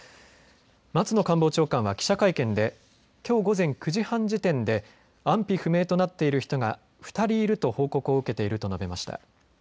松野官房長官は記者会見できょう午前９時半時点で安否不明となっている人が２人いると報告を受けていると述べました。